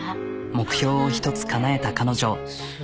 目標を一つかなえた彼女。